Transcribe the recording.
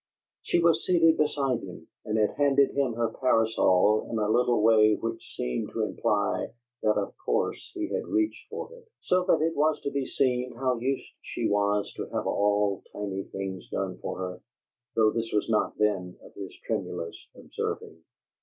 She was seated beside him, and had handed him her parasol in a little way which seemed to imply that of course he had reached for it, so that it was to be seen how used she was to have all tiny things done for her, though this was not then of his tremulous observing.